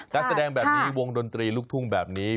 การแสดงแบบนี้วงดนตรีลูกทุ่งแบบนี้